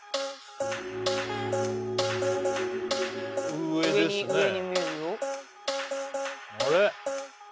上に上に見えるよあれ？